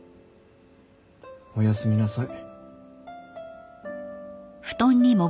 おやすみなさい。